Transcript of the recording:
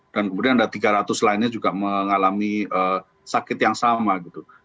dan kemudian ada tiga ratus lainnya juga mengalami sakit yang sama gitu